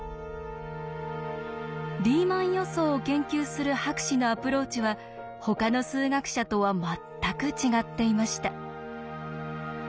リーマン予想を研究する博士のアプローチはほかの数学者とは全く違っていました。